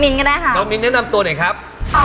เงินม็นตนไม่ครับ